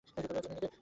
চেনেন এদের?